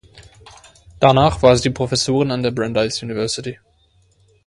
Danach war sie Professorin an der Brandeis University.